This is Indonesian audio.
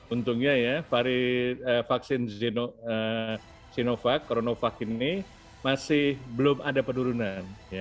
untungnya ya vaksin sinovac coronavac ini masih belum ada penurunan